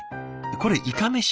これいかめし？